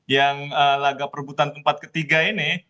yang laga perebutan tempat ketiga ini